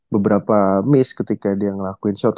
beberapa miss ketika dia ngelakuin shot